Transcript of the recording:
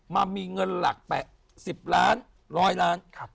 มามีเงินหลักแปะสิบล้านร้อยล้าน